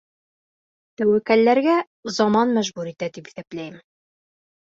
Тәүәккәлләргә заман мәжбүр итә тип иҫәпләйем.